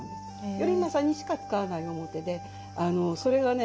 頼政にしか使わない面でそれがね